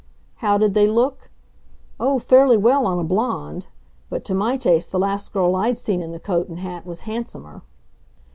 How did they look? Oh, fairly well on a blonde! But to my taste the last girl I'd seen in the coat and hat was handsomer.